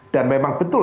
dan memang betul